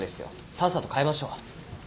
さっさと変えましょう。